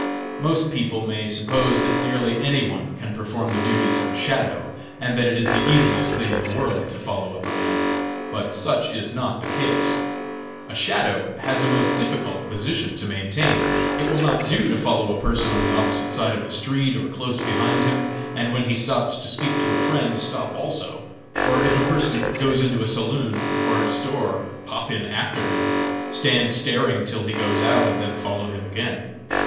Most people may suppose that nearly any one can perform the duties of a "shadow", and that it is the easiest thing in the world to follow up a man; but such is not the case. A "shadow" has a most difficult position to maintain. It will not do to follow a person on the opposite side of the street, or close behind him, and when he stops to speak to a friend stop also; or if a person goes into a saloon, or store, pop in after him, stand staring till he goes out, and then follow him again.